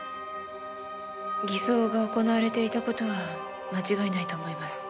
偽装が行われていた事は間違いないと思います。